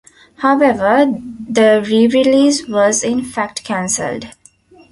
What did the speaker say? However, the re-release was in fact cancelled.